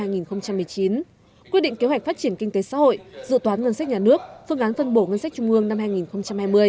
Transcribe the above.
quyết định kế hoạch phát triển kinh tế xã hội dự toán ngân sách nhà nước phương án phân bổ ngân sách trung ương năm hai nghìn hai mươi